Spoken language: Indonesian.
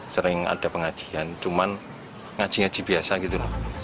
sering ada pengajian cuman ngaji ngaji biasa gitu